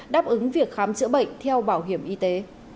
đáp ứng việc khám chữa bệnh theo bảo hiểm y tế